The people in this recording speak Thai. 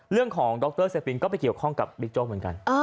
ดรเซปินก็ไปเกี่ยวข้องกับบิ๊กโจ๊กเหมือนกัน